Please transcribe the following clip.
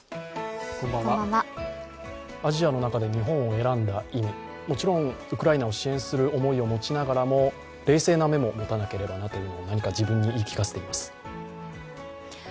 アジアの中で日本を選んだ意味、もちろんウクライナを支援する思いを持ちながらも冷静な目も持たなければなと自分に言い聞かせています。